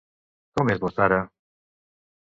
Com és la Sarah?